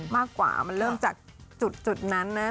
มากกว่ามันเริ่มจากจุดนั้นนะ